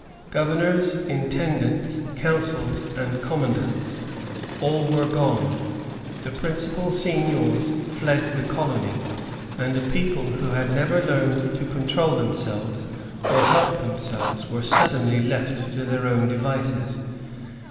Governors, intendants, councils, and commandants, all were gone ; the principal seigniors fled the colony; and a people who had never learned to control themselves or help themselves were sud denly left to their own devices.